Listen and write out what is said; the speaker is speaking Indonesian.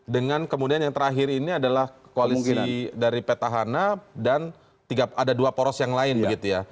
dengan kemudian yang terakhir ini adalah koalisi dari petahana dan ada dua poros yang lain begitu ya